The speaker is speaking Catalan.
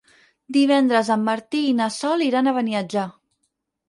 Divendres en Martí i na Sol iran a Beniatjar.